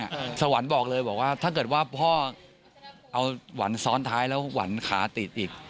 สวรรค์บอกเลยบอกว่าถ้าเกิดว่าพ่อเอาหวันซ้อนท้ายแล้วหวันขาติดอีก